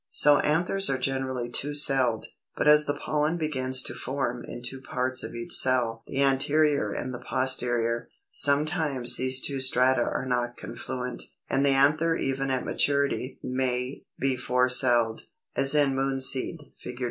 290. So anthers are generally two celled. But as the pollen begins to form in two parts of each cell (the anterior and the posterior), sometimes these two strata are not confluent, and the anther even at maturity may be four celled, as in Moonseed (Fig.